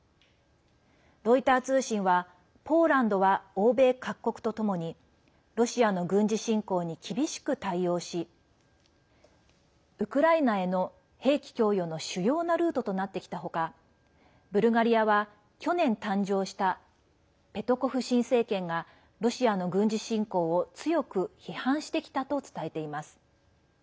ロイター通信はポーランドは欧米各国とともにロシアの軍事侵攻に厳しく対応しウクライナへの兵器供与の主要なルートとなってきたほかブルガリアは去年誕生したペトコフ新政権がロシアの軍事侵攻を強く批判してきたと伝えています。